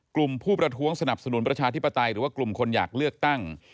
ผู้ประท้วงสนับสนุนประชาธิปไตยหรือว่ากลุ่มคนอยากเลือกตั้ง